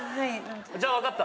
じゃあ、分かった。